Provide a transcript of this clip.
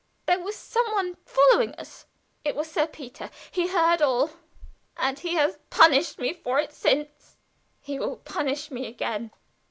There was some one following us. It was Sir Peter. He heard all, and he has punished me for it since. He will punish me again."